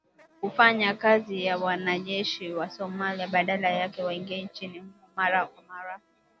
Kufanya kazi na wanajeshi wa Somalia badala yake waingie nchini humo mara kwa mara